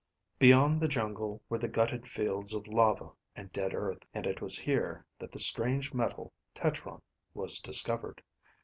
"Beyond the jungle were the gutted fields of lava and dead earth, and it was here that the strange metal tetron was discovered.